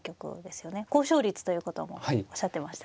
高勝率ということもおっしゃってましたね。